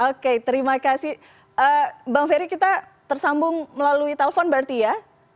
oke terima kasih bang ferry kita tersambung melalui telepon berarti ya